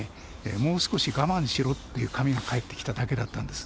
「もう少し我慢しろ」という紙が返ってきただけだったんです。